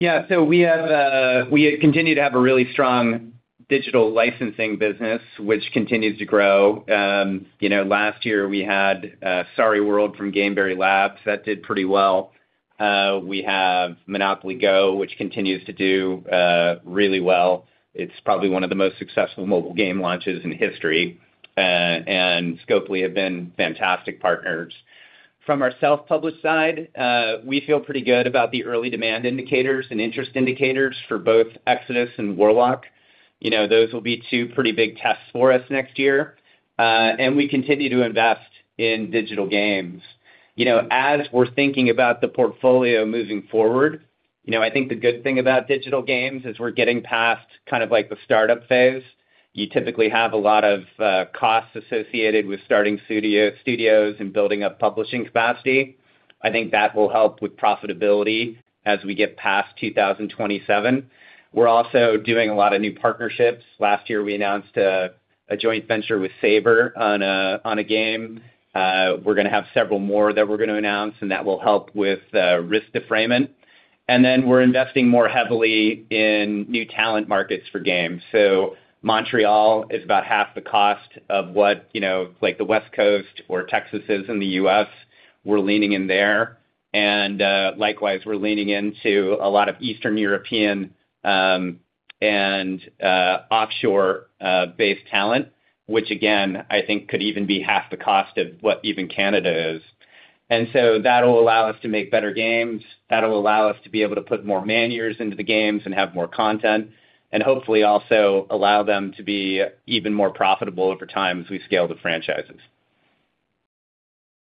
Yeah. So we continue to have a really strong digital licensing business, which continues to grow. Last year, we had Parchisi STAR from Gameberry Labs that did pretty well. We have Monopoly Go!, which continues to do really well. It's probably one of the most successful mobile game launches in history. And Scopely have been fantastic partners. From our self-published side, we feel pretty good about the early demand indicators and interest indicators for both Exodus and Warlock. Those will be two pretty big tests for us next year. And we continue to invest in digital games. As we're thinking about the portfolio moving forward, I think the good thing about digital games is we're getting past kind of the startup phase. You typically have a lot of costs associated with starting studios and building up publishing capacity. I think that will help with profitability as we get past 2027. We're also doing a lot of new partnerships. Last year, we announced a joint venture with Saber on a game. We're going to have several more that we're going to announce, and that will help with risk de-riskment. And then we're investing more heavily in new talent markets for games. So Montreal is about half the cost of what the West Coast or Texas is in the US. We're leaning in there. And likewise, we're leaning into a lot of Eastern European and offshore-based talent, which, again, I think could even be half the cost of what even Canada is. And so that'll allow us to make better games. That'll allow us to be able to put more man-hours into the games and have more content and hopefully also allow them to be even more profitable over time as we scale the franchises.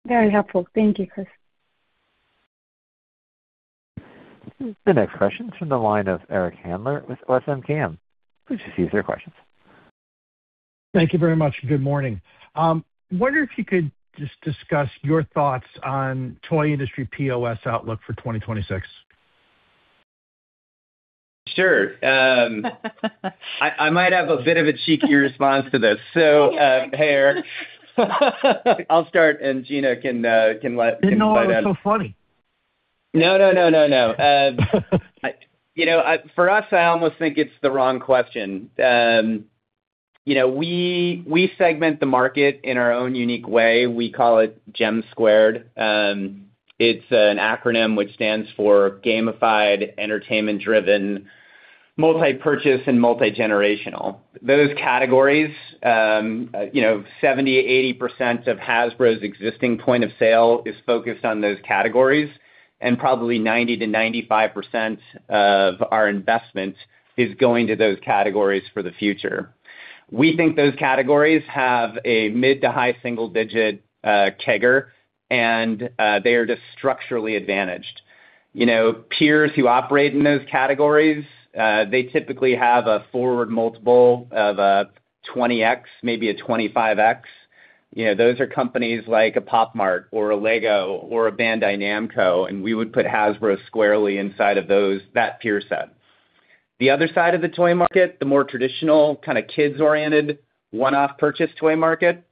Very helpful. Thank you, Chris. The next question is from the line of Eric Handler with Roth MKM. Please just use their questions. Thank you very much. Good morning. I wonder if you could just discuss your thoughts on toy industry POS outlook for 2026? Sure. I might have a bit of a cheekier response to this. So, here. I'll start, and Gina can invite us. You know what's so funny? No, no, no, no, no. For us, I almost think it's the wrong question. We segment the market in our own unique way. We call it GEM2. It's an acronym which stands for gamified, entertainment-driven, multi-purchase, and multi-generational. Those categories, 70%-80% of Hasbro's existing point of sale is focused on those categories, and probably 90%-95% of our investment is going to those categories for the future. We think those categories have a mid- to high-single-digit CAGR, and they are just structurally advantaged. Peers who operate in those categories, they typically have a forward multiple of a 20x, maybe a 25x. Those are companies like Pop Mart or LEGO or Bandai Namco, and we would put Hasbro squarely inside of that peer set. The other side of the toy market, the more traditional kind of kids-oriented, one-off purchase toy market,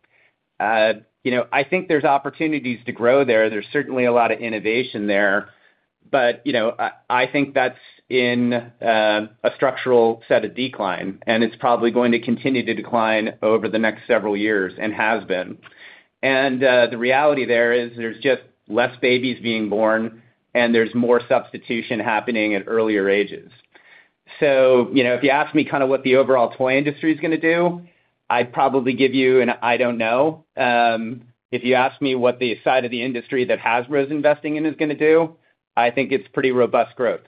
I think there's opportunities to grow there. There's certainly a lot of innovation there. But I think that's in a structural set of decline, and it's probably going to continue to decline over the next several years and has been. And the reality there is there's just less babies being born, and there's more substitution happening at earlier ages. So if you ask me kind of what the overall toy industry is going to do, I'd probably give you an I don't know. If you ask me what the side of the industry that Hasbro is investing in is going to do, I think it's pretty robust growth.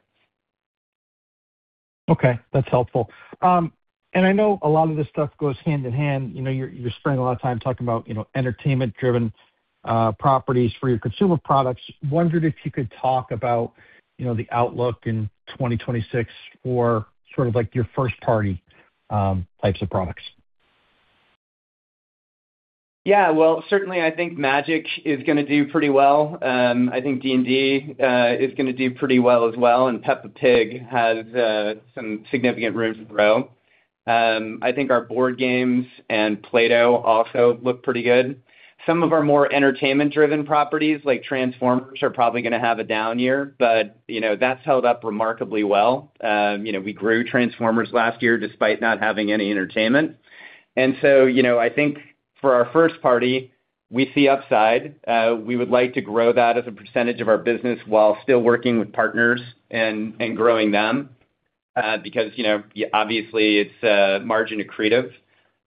Okay. That's helpful. And I know a lot of this stuff goes hand in hand. You're spending a lot of time talking about entertainment-driven properties for your consumer products. Wondered if you could talk about the outlook in 2026 for sort of your first-party types of products? Yeah. Well, certainly, I think Magic is going to do pretty well. I think D&D is going to do pretty well as well. And Peppa Pig has some significant room to grow. I think our board games and Play-Doh also look pretty good. Some of our more entertainment-driven properties, like Transformers, are probably going to have a down year, but that's held up remarkably well. We grew Transformers last year despite not having any entertainment. And so I think for our first party, we see upside. We would like to grow that as a percentage of our business while still working with partners and growing them because obviously, it's a margin accretive.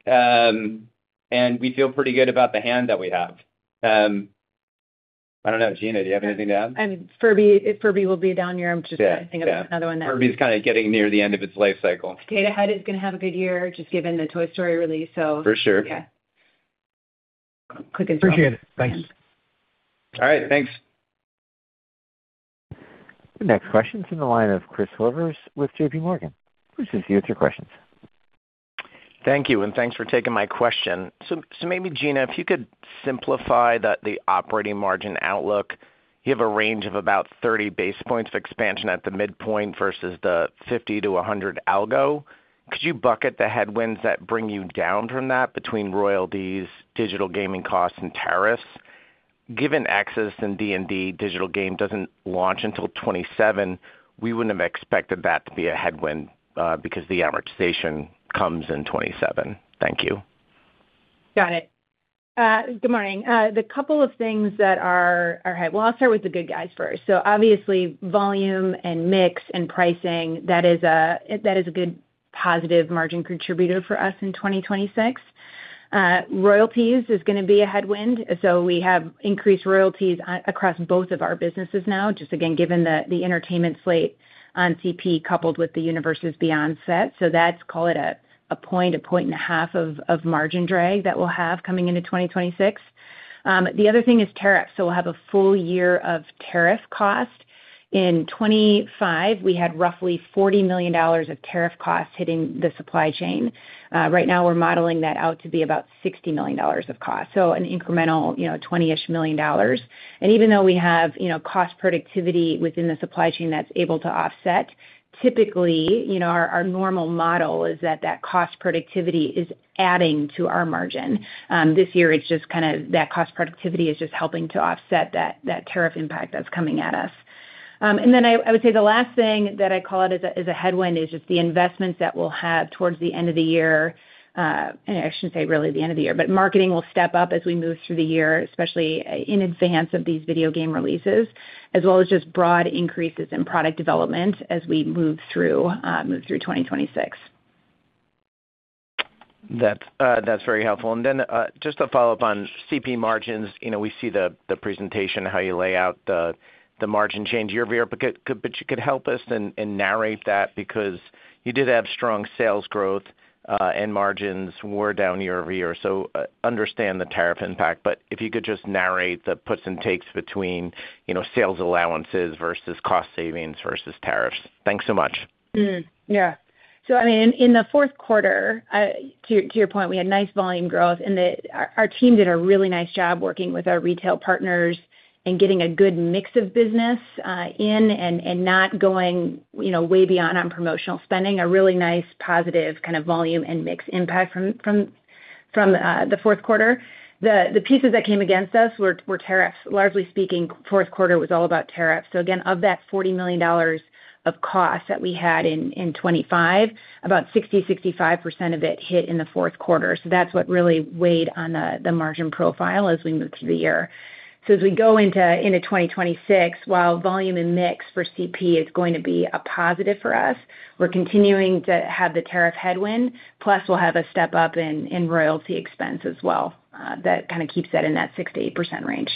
And we feel pretty good about the hand that we have. I don't know. Gina, do you have anything to add? I mean, Furby will be a down year. I'm just thinking of another one that. Yeah. Furby's kind of getting near the end of its life cycle. Potato Head is going to have a good year just given the Toy Story release, so. For sure. Yeah. Quick information. Appreciate it. Thanks. All right. Thanks. The next question is from the line of Christopher Horvers with J.P. Morgan. Please just use your questions. Thank you. Thanks for taking my question. So maybe, Gina, if you could simplify the operating margin outlook, you have a range of about 30 basis points of expansion at the midpoint versus the 50-100 bps. Could you bucket the headwinds that bring you down from that between royalties, digital gaming costs, and tariffs? Given Exodus and D&D, digital game doesn't launch until 2027, we wouldn't have expected that to be a headwind because the amortization comes in 2027. Thank you. Got it. Good morning. The couple of things that are hitting, well, I'll start with the good guys first. So obviously, volume and mix and pricing, that is a good positive margin contributor for us in 2026. Royalties is going to be a headwind. So we have increased royalties across both of our businesses now, just again, given the entertainment slate on CP coupled with the Universes Beyond set. So that's, call it, a point, a point and a half of margin drag that we'll have coming into 2026. The other thing is tariffs. So we'll have a full year of tariff cost. In 2025, we had roughly $40 million of tariff costs hitting the supply chain. Right now, we're modeling that out to be about $60 million of cost, so an incremental $20-ish million. Even though we have cost productivity within the supply chain that's able to offset, typically, our normal model is that that cost productivity is adding to our margin. This year, it's just kind of that cost productivity is just helping to offset that tariff impact that's coming at us. And then I would say the last thing that I call it as a headwind is just the investments that we'll have towards the end of the year, and I shouldn't say really the end of the year, but marketing will step up as we move through the year, especially in advance of these video game releases, as well as just broad increases in product development as we move through 2026. That's very helpful. Then just to follow up on CP margins, we see the presentation, how you lay out the margin change year-over-year, but could you help us and narrate that because you did have strong sales growth and margins were down year-over-year? So understand the tariff impact. But if you could just narrate the puts and takes between sales allowances versus cost savings versus tariffs? Thanks so much. Yeah. So I mean, in the fourth quarter, to your point, we had nice volume growth. Our team did a really nice job working with our retail partners and getting a good mix of business in and not going way beyond on promotional spending, a really nice positive kind of volume and mix impact from the fourth quarter. The pieces that came against us were tariffs. Largely speaking, fourth quarter was all about tariffs. So again, of that $40 million of costs that we had in 2025, about 60%-65% of it hit in the fourth quarter. So that's what really weighed on the margin profile as we move through the year. So as we go into 2026, while volume and mix for CP is going to be a positive for us, we're continuing to have the tariff headwind. Plus, we'll have a step up in royalty expense as well that kind of keeps that in that 6%-8% range.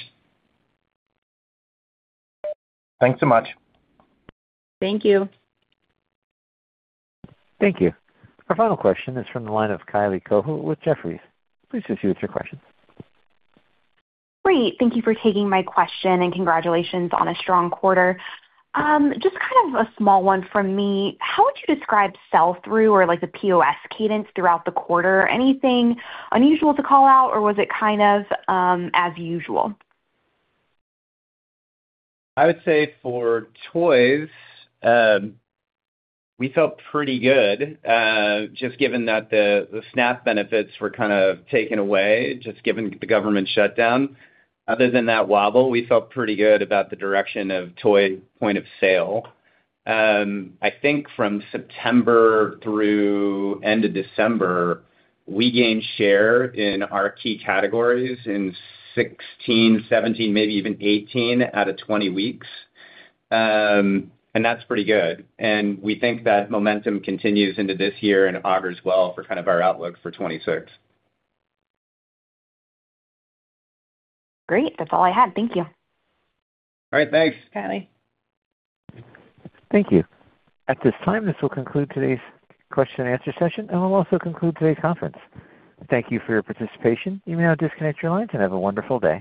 Thanks so much. Thank you. Thank you. Our final question is from the line of Kylie Cohu with Jefferies. Please just use your questions. Great. Thank you for taking my question, and congratulations on a strong quarter. Just kind of a small one from me. How would you describe sell-through or the POS cadence throughout the quarter? Anything unusual to call out, or was it kind of as usual? I would say for toys, we felt pretty good just given that the SNAP benefits were kind of taken away just given the government shutdown. Other than that wobble, we felt pretty good about the direction of toy point of sale. I think from September through end of December, we gained share in our key categories in 16, 17, maybe even 18 out of 20 weeks. That's pretty good. We think that momentum continues into this year and augurs well for kind of our outlook for 2026. Great. That's all I had. Thank you. All right. Thanks Kylie. Thank you. At this time, this will conclude today's question-and-answer session, and we'll also conclude today's conference. Thank you for your participation. You may now disconnect your lines and have a wonderful day.